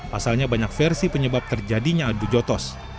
pasalnya banyak versi penyebab terjadinya adu jotos